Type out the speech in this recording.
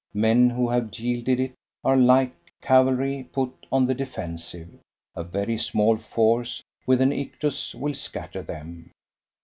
Men who have yielded it are like cavalry put on the defensive; a very small force with an ictus will scatter them.